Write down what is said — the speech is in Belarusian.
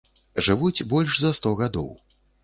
Жывуць больш за сто гадоў.